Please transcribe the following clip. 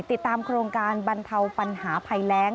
ติดตามโครงการบรรเทาปัญหาภัยแรง